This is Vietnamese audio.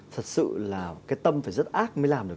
thật sự là cái tâm phải rất ác mới làm được